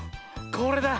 これだ。